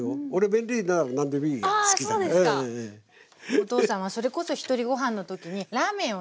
お父さんはそれこそひとりごはんの時にラーメンをね